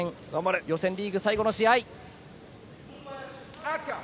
予選リーグ最後の試合。